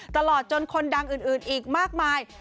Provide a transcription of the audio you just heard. ตลอดจนคนดังอื่นอีกมากมาย